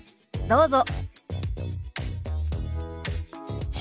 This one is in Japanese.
どうぞ。